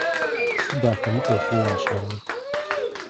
Сыд ахэмэ ӏофэу ашӏэрэр?